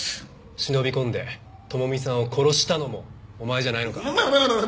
忍び込んで智美さんを殺したのもお前じゃないのか？